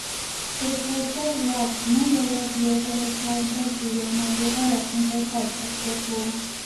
پروفېسر راز نه يوازې يو غوره شاعر بلکې يو نابغه راتلونکی پال شخصيت و